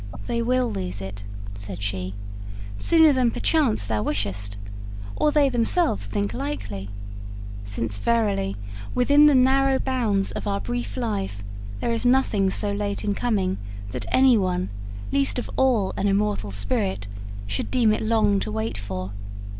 'They will lose it,' said she, 'sooner than perchance thou wishest, or they themselves think likely; since, verily, within the narrow bounds of our brief life there is nothing so late in coming that anyone, least of all an immortal spirit, should deem it long to wait for.